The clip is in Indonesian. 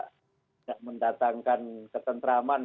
tidak mendatangkan ketentraman